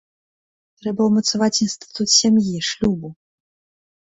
Трэба ўмацаваць інстытут сям'і, шлюбу.